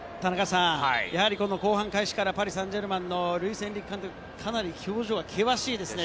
後半開始からパリ・サンジェルマンのルイス・エンリケ監督、かなり表情が険しいですね。